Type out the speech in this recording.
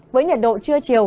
với nhiệt độ trưa chiều